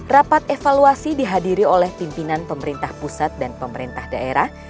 rapat evaluasi dihadiri oleh pimpinan pemerintah pusat dan pemerintah daerah